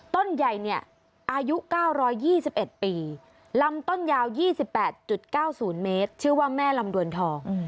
ต้นใหญ่เนี่ยอายุ๙๒๑ปีลำต้นยาว๒๘๙๐เมตรชื่อว่าแม่ลำดวนทอง